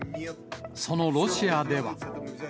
そのロシアでは。